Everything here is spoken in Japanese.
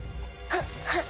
はっ甘い。